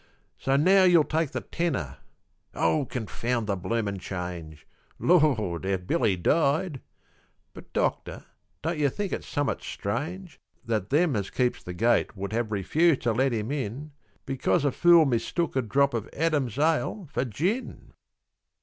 So now you'll take the tenner. Oh, confound the bloomin' change! Lord, had Billy died! but, doctor, don't you think it summut strange That them as keeps the gate would have refused to let him in Because a fool mistook a drop of Adam's ale for gin?